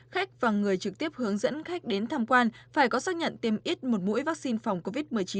khách và người trực tiếp hướng dẫn khách đến tham quan phải có xác nhận tiêm ít một mũi vaccine phòng covid một mươi chín